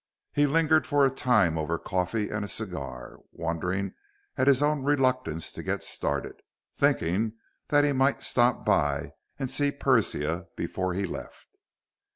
He lingered for a time over coffee and a cigar, wondering at his own reluctance to get started, thinking that he might stop by and see Persia before he left.